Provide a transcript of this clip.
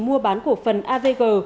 mua bán cổ phần avg